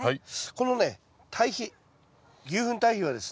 このね堆肥牛ふん堆肥はですね